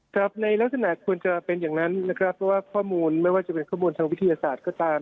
ครับในลักษณะควรจะเป็นอย่างนั้นนะครับเพราะว่าข้อมูลไม่ว่าจะเป็นข้อมูลทางวิทยาศาสตร์ก็ตาม